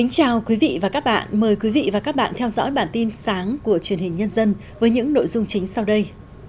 chào mừng quý vị đến với bản tin sáng của truyền hình nhân dân với những nội dung chính sau đây